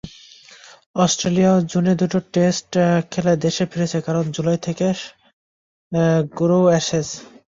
অস্ট্রেলিয়াও জুনে দুটো টেস্ট খেলে দেশে ফিরেছে, কারণ জুলাই থেকেই শুরু অ্যাশেজ।